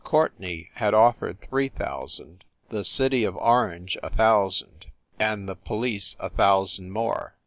Courtenay had offered three thousand, the City of Orange a thousand, and the police a thousand more.